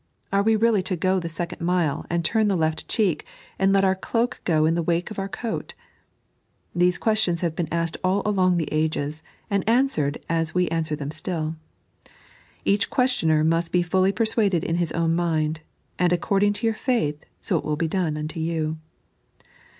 Are we really to go the second mile, and turn the left cheek, and let our cloak go in the wake of our coat t These questions have been asked all along the ages, and answered as we answer them still. Each questioner must be fully persuaded in hie own mind ; and according to your faith, so it will be done unto you.